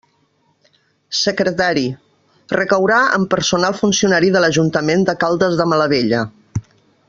Secretari: recaurà en personal funcionari de l'Ajuntament de Caldes de Malavella.